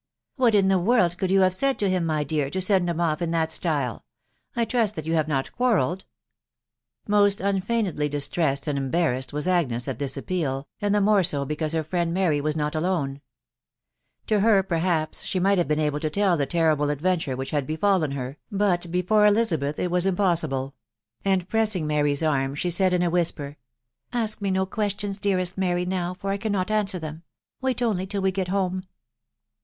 " What in the world can you have said to him, my dear, to send him off in that style ? I trust that you have not quar relled." Most unfeignedly distressed and embarrassed was Agnes at this appeal, and the more so because her friend Mary was not alone To her perhaps she might have been able to tell the terrible adventure which had befallen her, but before Elizabeth it was impossible ; and, pressing Mary's arm, she said in a whisper, " Ask me no questions, dearest Mary, now, for I cannot answer them .... wait only till we get home."